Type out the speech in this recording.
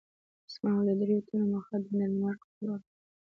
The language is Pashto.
زما او د دریو تنو مخه د ډنمارک په لور وه.